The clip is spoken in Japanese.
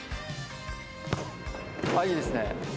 いいですね。